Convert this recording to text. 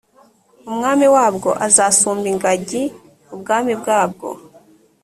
umwami wabwo azasumba ingagi ubwami bwabwo